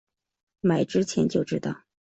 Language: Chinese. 买之前就知道